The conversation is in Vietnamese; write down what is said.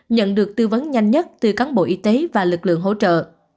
nhận được tư vấn nhanh nhất từ cán bộ y tế và lực lượng hỗ trợ